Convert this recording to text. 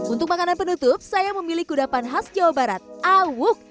untuk makanan penutup saya memilih kudapan khas jawa barat awuk